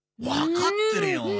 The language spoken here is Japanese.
わかってるよ！